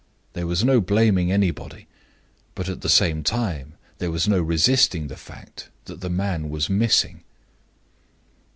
There was no blaming anybody; but, at the same time, there was no resisting the fact that the man was missing.